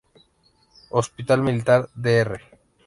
Hospital Militar Dr.